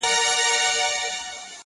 ددې ښـــــار څــــو ليونـيـو,